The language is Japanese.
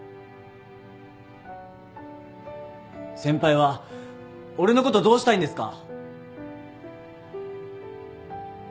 先輩は俺のことどうしたいんですか？